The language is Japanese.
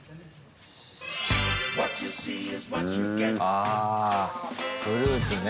ああフルーツね。